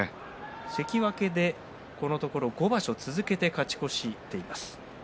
関脇でこのところ５場所続けて勝ち越しをしています。